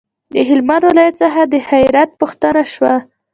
د هلمند ولایت څخه د خیریت پوښتنه شوه.